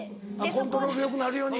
コントロールよくなるように。